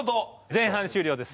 前半終了です。